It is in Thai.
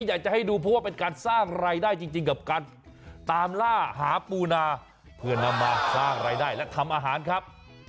อยากจะให้ดูเพราะว่าเป็นการสร้างรายได้จริงกับการตามล่าหาปูนาเพื่อนำมาสร้างรายได้และทำอาหารครับ